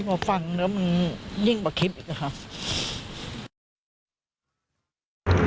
พอฟังแล้วมันยิ่งกว่าคลิปอีกค่ะ